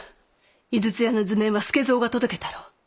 井筒屋の図面は助三が届けたろう？